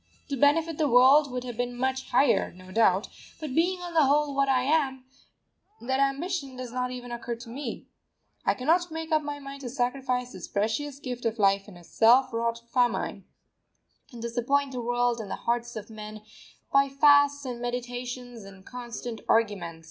To benefit the world would have been much higher, no doubt; but being on the whole what I am, that ambition does not even occur to me. I cannot make up my mind to sacrifice this precious gift of life in a self wrought famine, and disappoint the world and the hearts of men by fasts and meditations and constant argument.